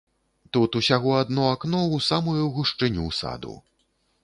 Тут усяго адно акно ў самую гушчыню саду.